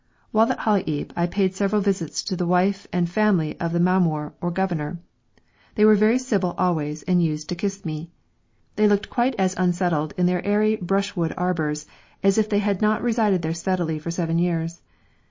While at Halaib I paid several visits to the wife and family of the mamour or governor. They were very civil always, and used to kiss me. They looked quite as unsettled in their airy brushwood arbours as if they had not resided there steadily for seven years.